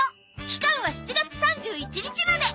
期間は７月３１日まで！